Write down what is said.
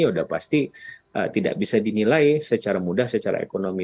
sudah pasti tidak bisa dinilai secara mudah secara ekonomi